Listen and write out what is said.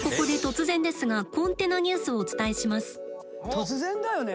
突然だよね。